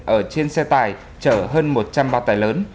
ở trên xe tải chở hơn một trăm ba mươi tải lớn